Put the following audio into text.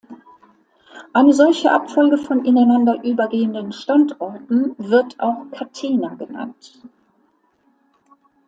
Eine solche Abfolge von ineinander übergehenden Standorten wird auch Catena genannt.